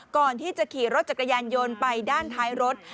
ก่อนที่จะขี่รถจักรยานยนต์ไปด้านท้ายรถ